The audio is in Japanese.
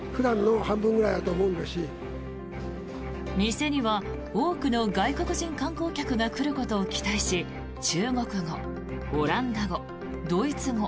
店には多くの外国人観光客が来ることを期待し中国語、オランダ語、ドイツ語